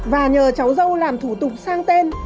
và nhờ cháu dâu làm thủ tục sang tên